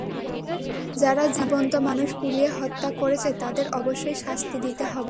যারা জীবন্ত মানুষ পুড়িয়ে হত্যা করেছে, তাদের অবশ্যই শাস্তি দিতে হবে।